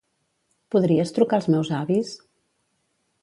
Podries trucar als meus avis?